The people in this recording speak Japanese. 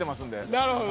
なるほど。